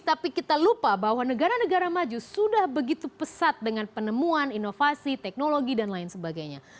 tapi kita lupa bahwa negara negara maju sudah begitu pesat dengan penemuan inovasi teknologi dan lain sebagainya